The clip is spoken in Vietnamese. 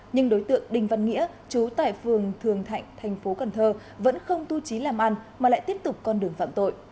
nhưng đối tượng đinh văn nghĩa chú tại phường thường thạnh tp hcm vẫn không tu trí làm ăn mà lại tiếp tục con đường phạm tội